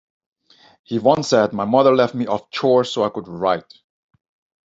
He once said, My mother left me off chores so I could write.